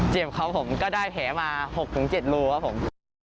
ครับผมก็ได้แผลมา๖๗รูครับผม